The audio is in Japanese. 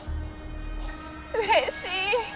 うれしい。